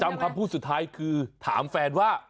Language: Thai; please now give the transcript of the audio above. คำพูดสุดท้ายคือถามแฟนว่า